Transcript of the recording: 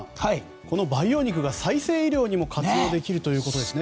この培養肉が再生医療にも活用できるということですね。